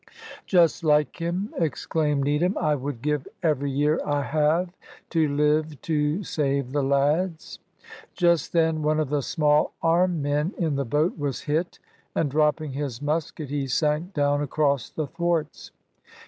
"Just like him!" exclaimed Needham, "I would give every year I have to live to save the lads." Just then one of the small arm men in the boat was hit, and dropping his musket he sank down across the thwarts.